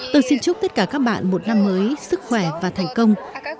tôi xin chúc tất cả các bạn một năm mới sức khỏe và thành công